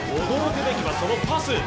驚くべきは、そのパス。